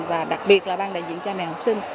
và đặc biệt là ban đại diện cha mẹ học sinh